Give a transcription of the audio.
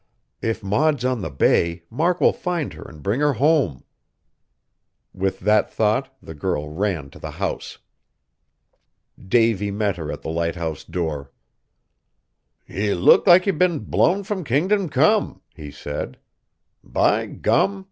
If Maud's on the bay Mark will find her and bring her home!" With that thought the girl ran to the house. Davy met her at the lighthouse door. "Ye look like ye'd been blown from kingdom come!" he said; "by gum!